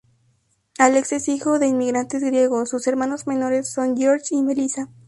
Alex es hijo de inmigrantes griegos, sus hermanos menores son George y Melissa.